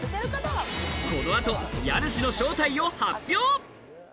この後、家主の正体を発表。